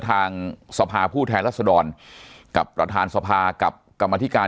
ทางสภาผู้แทนรัศดรกับประธานสภากับกรรมธิการ